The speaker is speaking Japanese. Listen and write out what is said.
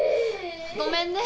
ごめんね。